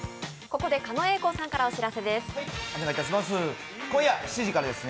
ここで狩野英孝さんからお知らせです。